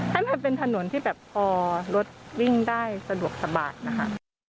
ให้มันเป็นถนนที่แบบพอรถวิ่งได้สะดวกสบายนะคะ